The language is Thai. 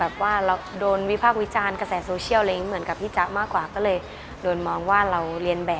แล้วอย่างนี้ยังไงมีค่าเพียงเกี่ยวใหญ่ติดต่อด้วย